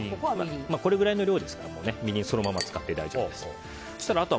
これぐらいの量ですからみりんそのまま使って大丈夫です。